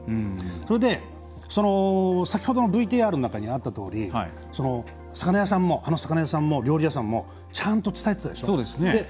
それで、先ほどのＶＴＲの中にあったとおり魚屋さんも、料理屋さんもちゃんと伝えてたでしょ。